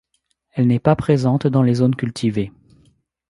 Elle n'est pas présente dans les zones cultivées.